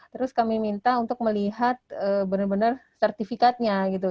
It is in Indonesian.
terus kami minta untuk melihat benar benar sertifikatnya gitu